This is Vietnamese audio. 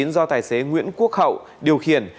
do tài xế nguyễn quốc hậu điều khiển